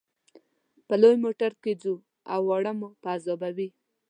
په لوی موټر کې ځو او واړه مو په عذابوي.